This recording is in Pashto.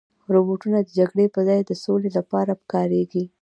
روبوټونه د جګړې په ځای د سولې لپاره کارېږي.